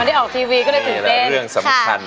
ไม่ได้ออกทีวีก็เลยตื่นเต้น